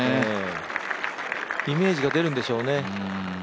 イメージが出るんでしょうね。